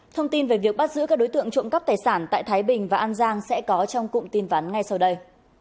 thông tin về việc bắt giữ các đối tượng trộm cắp tài sản tại thái bình và an giang sẽ có trong cụm tin vắn ngay sau đây